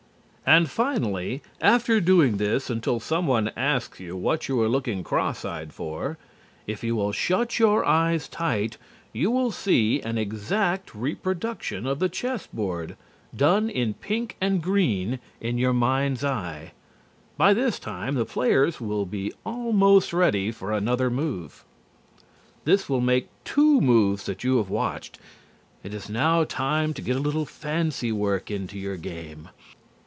And finally, after doing this until someone asks you what you are looking cross eyed for, if you will shut your eyes tight you will see an exact reproduction of the chess board, done in pink and green, in your mind's eye. By this time, the players will be almost ready for another move. This will make two moves that you have watched. It is now time to get a little fancy work into your game.